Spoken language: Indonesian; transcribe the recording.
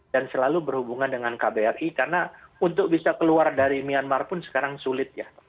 dan selalu berhubungan dengan kbri karena untuk bisa keluar dari myanmar pun sekarang sulit ya